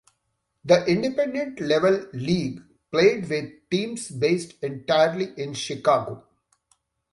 The Independent level league played with teams based entirely in Chicago.